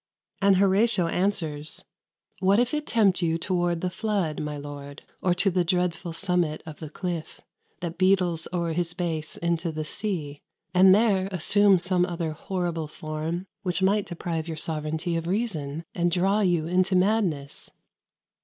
And Horatio answers "What if it tempt you toward the flood, my lord, Or to the dreadful summit of the cliff, That beetles o'er his base into the sea, And there assume some other horrible form, Which might deprive your sovereignty of reason, And draw you into madness?"